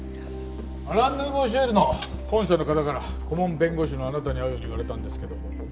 アラン・ヌーボー・シエルの本社の方から顧問弁護士のあなたに会うように言われたんですけども。